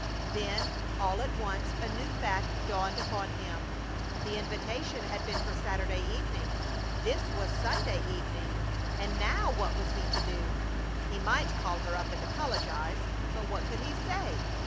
Then all at once a new fact dawned upon him. The invitation had been for Saturday evening! This was Sunday evening! And now what was he to do? He might call her up and apologize, but what could he say.